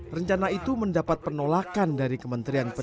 rencana itu mendapat penolakan dari kementerian penduduk